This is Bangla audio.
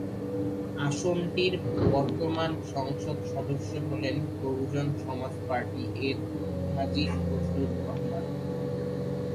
আসনটির বর্তমান সংসদ সদস্য হলেন বহুজন সমাজ পার্টি-এর হাজি ফজলুর রহমান।